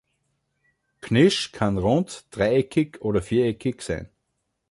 Knish kann rund, dreieckig oder viereckig sein.